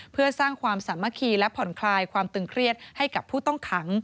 เพื่อสร้างความสามัคคีและผ่อนคลายความตึงเครียดให้กับผู้ต้องขัง